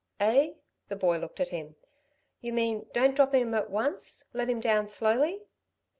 "Eh?" the boy looked at him. "You mean don't drop him at once ... let him down slowly."